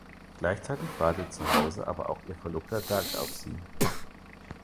Gleichzeitig wartet zuhause aber auch ihr Verlobter Doug auf sie.